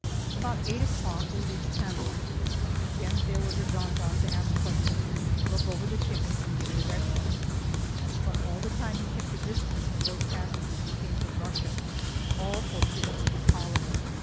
About eight o'clock we reached Hamburg. Again there was a gendarme to ask questions, look over the tickets and give directions. But all the time he kept a distance from those passengers who came from Russia, all for fear of the cholera.